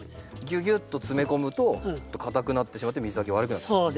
ぎゅぎゅっと詰め込むとかたくなってしまって水はけ悪くなってしまう。